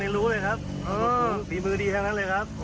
รู้เลยครับฝีมือดีทั้งนั้นเลยครับ